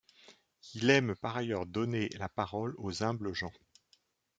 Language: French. Il aime par ailleurs donner la parole aux humbles gens.